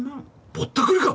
ぼったくりか！